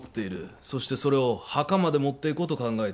そしてそれを墓まで持っていこうと考えている